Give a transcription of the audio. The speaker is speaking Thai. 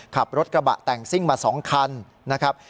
ขับรถกระบะแต่งซิ่งมา๒คันนะครับ